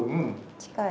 近い。